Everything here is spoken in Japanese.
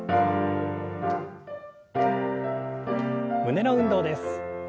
胸の運動です。